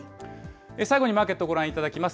最後にマーケットをご覧いただきます。